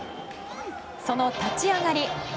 その立ち上がり。